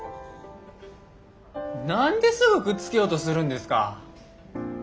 何ですぐくっつけようとするんですか。